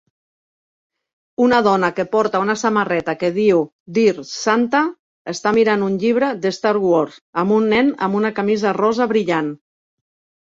Una dona que porta una samarreta que diu Dear Santa està mirant un llibre de Star Wars amb un nen amb una camisa rosa brillant